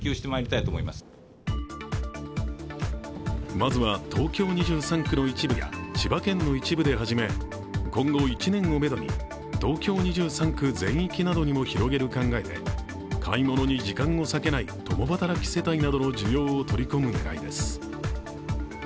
まずは東京２３区の一部や千葉県の一部で始め、今後１年をめどに東京２３区全域などにも広げる考えで買い物に時間を割けない共働き世帯などの需要を取り込む狙いです。